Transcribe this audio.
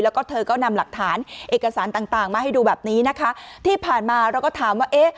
แล้วก็เธอก็นำหลักฐานเอกสารต่างต่างมาให้ดูแบบนี้นะคะที่ผ่านมาเราก็ถามว่าเอ๊ะ